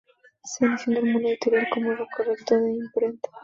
Se inició en el mundo editorial como corrector de imprenta.